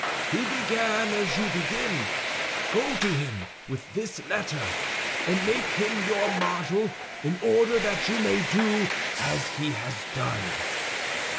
He began as you begin. Go to him with this letter, and make him your model in order that you may do as he has done."